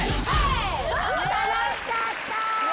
楽しかった！